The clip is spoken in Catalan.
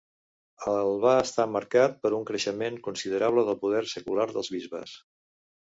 El va estar marcat per un creixement considerable del poder secular dels bisbes.